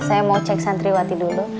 saya mau cek santriwati dulu